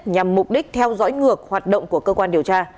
nhằm mục đích theo dõi ngược hoạt động của cơ quan điều tra